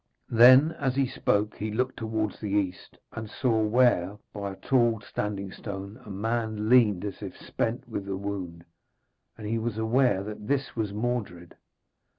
Then, as he spoke, he looked towards the east, and saw where, by a tall standing stone, a man leaned as if spent with a wound. And he was aware that this was Mordred.